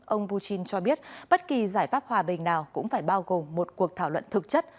ông putin cho biết bất kỳ giải pháp hòa bình nào cũng phải bao gồm một cuộc thảo luận thực chất